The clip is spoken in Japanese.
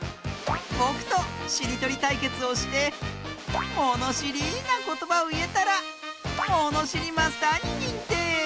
ぼくとしりとりたいけつをしてものしりなことばをいえたらものしりマスターににんてい！